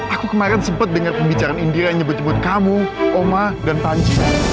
aku kemarin sempet denger pembicaraan indira yang nyebut nyebut kamu omah dan panji